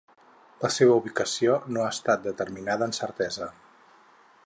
La seva ubicació no ha estat determinada amb certesa.